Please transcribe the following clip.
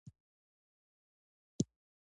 د سرپل غنم ډیر خوندور دي.